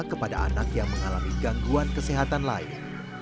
kepada anak yang mengalami gangguan kesehatan lain